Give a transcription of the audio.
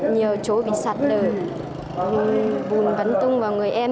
nhiều chỗ bị sạt đời buồn vấn tung vào người em